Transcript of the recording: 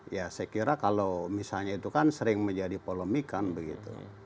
ya saya kira kalau misalnya itu kan sering menjadi polemik kan begitu